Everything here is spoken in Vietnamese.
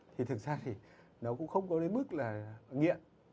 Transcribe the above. thì thực ra thì nó cũng không có đến mức là nghiện